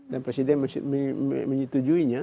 dan presiden menyetujuinya